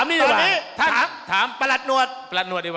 อุ๊ยท่านผอ